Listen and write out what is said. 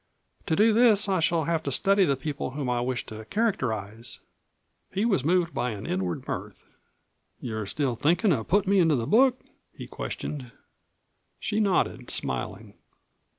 To do this I shall have to study the people whom I wish to characterize." He was moved by an inward mirth. "You're still thinkin' of puttin' me into the book?" he questioned. She nodded, smiling.